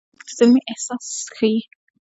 موزیک د زلمي احساس ښيي.